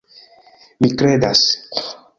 Mi kredas!